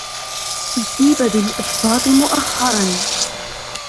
أصيب بالإحباط مؤخرا.